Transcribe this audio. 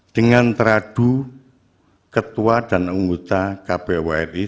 dengan teradu ketua dan ungguta kpwri